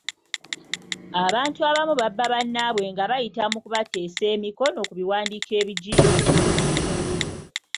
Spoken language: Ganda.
Abantu abamu babba bannaabwe nga bayita mu kubateesa emikono ku biwandiiko ebijingirire.